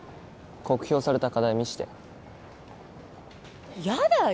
酷評された課題見してやだよ